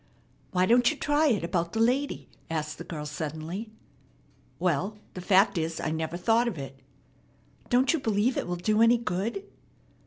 "Why don't you try it about the lady?" asked the girl suddenly. "Well, the fact is, I never thought of it." "Don't you believe it will do any good?"